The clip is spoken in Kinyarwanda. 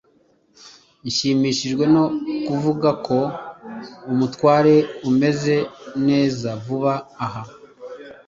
Nshimishijwe no kuvuga ko umutware ameze neza vuba aha.